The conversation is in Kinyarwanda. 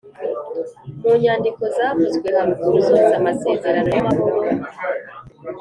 Mu nyandiko zavuzwe haruguru zose amasezerano y amahoro